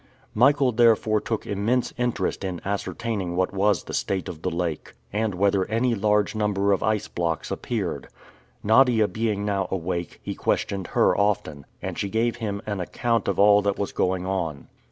Michael therefore took immense interest in ascertaining what was the state of the lake, and whether any large number of ice blocks appeared. Nadia being now awake, he questioned her often, and she gave him an account of all that was going on.